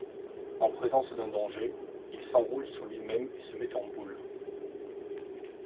En présence d'un danger, il s'enroule sur lui-même et se met en boule.